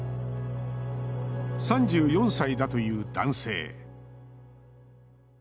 ３４歳だという男性。